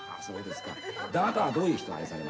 あなたはどういう人愛されました？